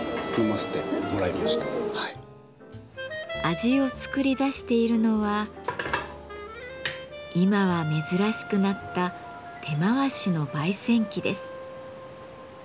味を作り出しているのは今は珍しくなった手回しの焙煎機です。